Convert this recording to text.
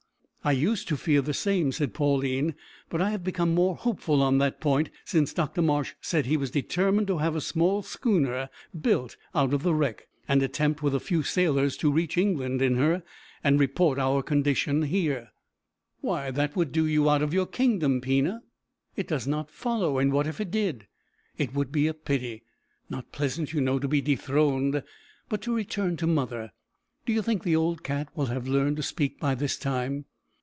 "I used to fear the same," said Pauline, "but I have become more hopeful on that point since Dr Marsh said he was determined to have a small schooner built out of the wreck, and attempt with a few sailors to reach England in her, and report our condition here." "Why, that would do you out of your kingdom, Pina!" "It does not follow. And what if it did?" "It would be a pity. Not pleasant you know, to be dethroned. But to return to mother. D'you think the old cat will have learned to speak by this time?"